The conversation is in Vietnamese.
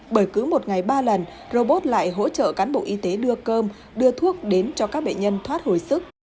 bởi cứ một ngày ba lần robot lại hỗ trợ cán bộ y tế đưa cơm đưa thuốc đến cho các bệnh nhân thoát hồi sức